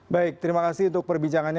baik terima kasih untuk perbincangannya